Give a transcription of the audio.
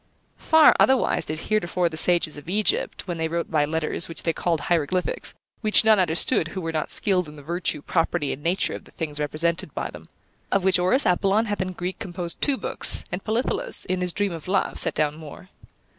Far otherwise did heretofore the sages of Egypt, when they wrote by letters, which they called hieroglyphics, which none understood who were not skilled in the virtue, property, and nature of the things represented by them. Of which Orus Apollon hath in Greek composed two books, and Polyphilus, in his Dream of Love, set down more.